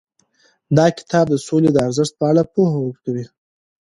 دا کتاب د سولې د ارزښت په اړه پوهه ورکوي.